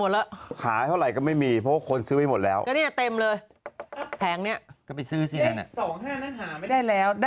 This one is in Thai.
เล่าได้วันนี้เป็นเดวและ